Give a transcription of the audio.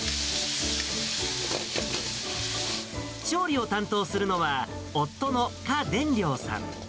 調理を担当するのは夫のかでんりょうさん。